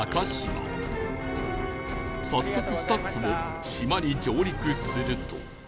早速スタッフも島に上陸すると